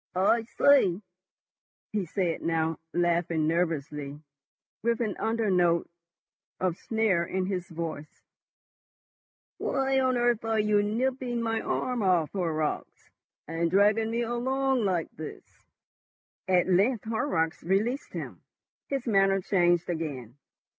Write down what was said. "I say," he said now, laughing nervously, but with an undernote of snarl in his voice, "why on earth are you nipping my arm off, Horrocks, and dragging me along like this?" At length Horrocks released him. His manner changed again.